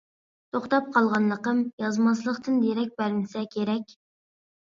توختاپ قالغانلىقىم يازماسلىقتىن دېرەك بەرمىسە كېرەك.